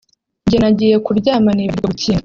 njye nagiye kuryama nibagirwa gukinga